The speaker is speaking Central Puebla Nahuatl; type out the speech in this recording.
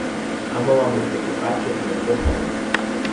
Amo mamitstekipacho tlen yopanok